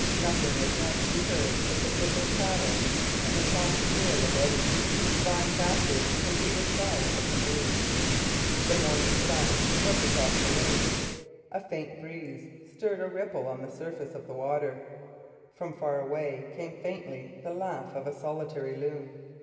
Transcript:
Nothing was now to be heard but the dip of paddles and the soft swirl of eddies flying backward from either side of the canoes. The morning sun swept across the lake; a faint breeze stirred a ripple on the surface of the water. From far away came faintly the laugh of a solitary loon.